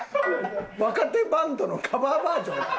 若手バンドのカバーバージョンやん。